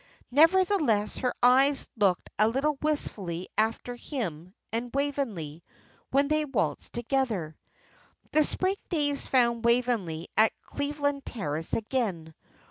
Nevertheless, her eyes looked a little wistfully after him and Waveney when they waltzed together. The spring days found Waveney at Cleveland Terrace again.